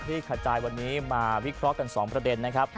ขจายวันนี้มาวิเคราะห์กัน๒ประเด็นนะครับ